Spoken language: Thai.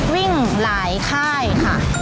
วิ่งหลายค่ายค่ะ